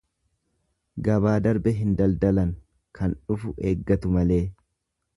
Gabaa darbe hin daldalan kan dhufu eeggatu malee.